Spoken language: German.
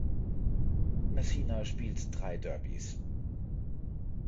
Messina spielt drei Derbys.